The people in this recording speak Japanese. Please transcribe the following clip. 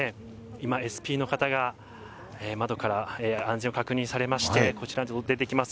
今、ＳＰの方が、窓から安全を確認をされまして、こちらに出てきます。